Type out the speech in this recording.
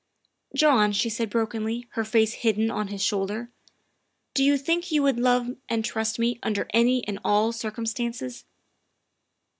''" John," she said brokenly, her face hidden on his shoulder, " do you think you would love and trust me under any and all circumstances?"